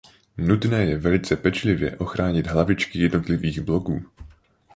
Nutné je velice pečlivě ochránit hlavičky jednotlivých bloků.